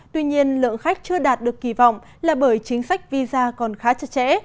tuy nhiên lượng khách chưa đạt được kỳ vọng là bởi chính sách visa còn khá chặt chẽ